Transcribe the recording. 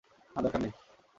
না, দরকার নেই।